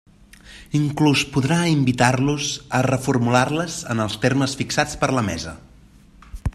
Inclús podrà invitar-los a reformular-les en els termes fixats per la Mesa.